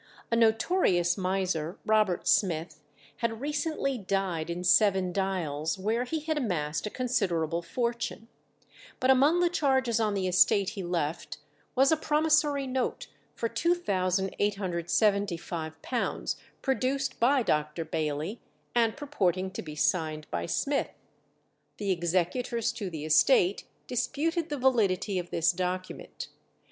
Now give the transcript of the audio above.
A notorious miser, Robert Smith, had recently died in Seven Dials, where he had amassed a considerable fortune. But among the charges on the estate he left was a promissory note for £2875, produced by Dr. Bailey, and purporting to be signed by Smith. The executors to the estate disputed the validity of this document.